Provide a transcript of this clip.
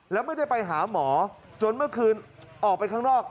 แล้วไม่ได้ไปหาหมอจนเมื่อคืนออกไปข้างนอก